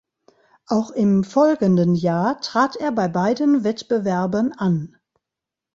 Auch im folgenden Jahr trat er bei beiden Wettbewerben an.